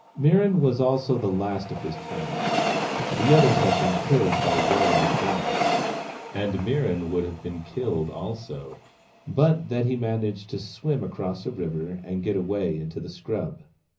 Mirran also was the last of his tribe. The others had been killed by warlike blacks, and Mirran would have been killed also, but that he managed to swim across a river and get away into the scrub.